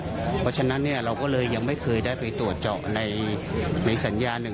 เพราะฉะนั้นเราก็เลยยังไม่เคยได้ไปตรวจเจาะในสัญญาหนึ่ง